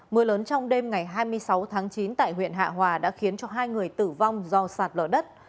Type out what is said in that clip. mưa lớn trong đêm ngày hai mươi sáu tháng chín tại huyện hạ hòa đã khiến cho hai người tử vong do sạt lở đất